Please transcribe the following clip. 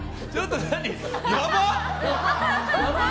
やばっ！